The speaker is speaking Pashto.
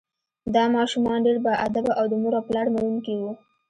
دا ماشومان ډیر باادبه او د مور او پلار منونکي وو